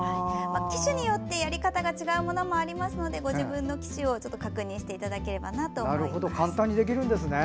機種によってやり方が違うものもありますのでご自分の機種を確認していただければと思います。